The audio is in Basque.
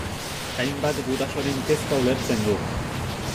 Hainbat gurasoren kezka ulertzen du.